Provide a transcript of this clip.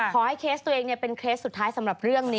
ขอให้เคสตัวเองเนี่ยเป็นเคสสุดท้ายสำหรับเรื่องนี้